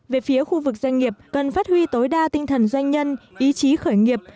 về phía khu vực doanh nghiệp cần phát huy tối đa tinh thần doanh nhân ý chí khởi nghiệp